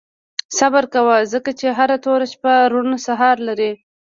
• صبر کوه، ځکه چې هره توره شپه روڼ سهار لري.